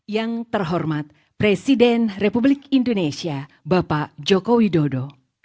yang terhormat presiden republik indonesia bapak joko widodo